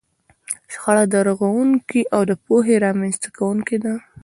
شخړه رغونکې او د پوهې رامنځته کوونکې ده.